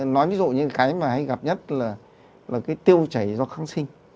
nói ví dụ như cái mà gặp nhất là cái tiêu chảy do kháng sinh